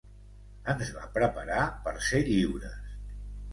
Ens va preparar per ser lliures.